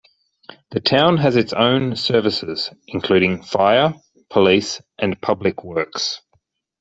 The town has its own services, including fire, police and public works.